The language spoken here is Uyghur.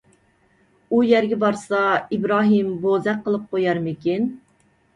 ئۇ يەرگە بارسا ئىبراھىم بوزەك قىلىپ قويارمىكىن.